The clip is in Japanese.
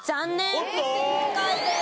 不正解です。